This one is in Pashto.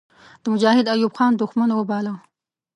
د مجاهد ایوب خان دښمن وباله.